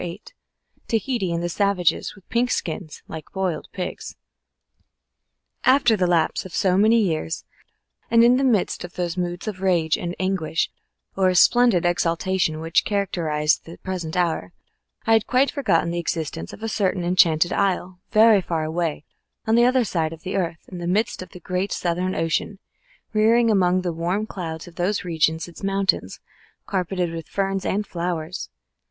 VIII TAHITI AND THE SAVAGES WITH PINK SKINS LIKE BOILED PIG November, 1914. After the lapse of so many years, and in the midst of those moods of rage and anguish or of splendid exaltation which characterise the present hour, I had quite forgotten the existence of a certain enchanted isle, very far away, on the other side of the earth, in the midst of the great Southern Ocean, rearing among the warm clouds of those regions its mountains, carpeted with ferns and flowers.